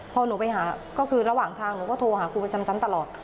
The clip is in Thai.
พอหนูไปหาก็คือระหว่างทางหนูก็โทรหาครูประจำชั้นตลอด